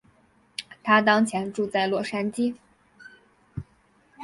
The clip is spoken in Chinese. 她当前住在洛杉矶。